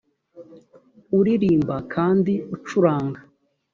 uririmba kandi ucuranga